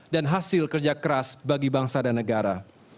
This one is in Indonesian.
dan hasil kerja keras bagi bangsa dan negara